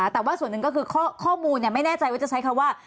แต่ว่าส่วนหนึ่งก็คือข้อมูลไม่แน่ใจว่าจะใช้คำว่า